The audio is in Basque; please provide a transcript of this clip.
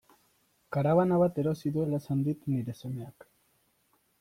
Karabana bat erosi duela esan dit nire semeak.